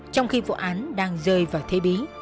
trong khi vụ án đang rơi vào thế bí